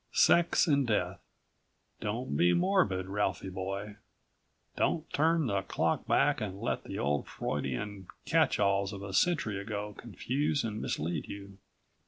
Sex and death. Don't be morbid, Ralphie boy. Don't turn the clock back and let the old Freudian catch alls of a century ago confuse and mislead you.